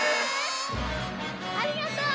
ありがとう！